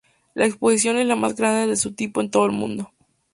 La exposición es la más grande de su tipo en todo el mundo.